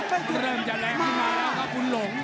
ตั้งแรงแกินมาแล้วครับบุญหลง